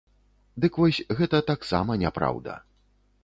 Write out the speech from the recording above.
Дык вось, гэта таксама няпраўда.